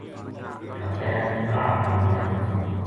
کا پیر کاہڈ تا مڑیا وا تھا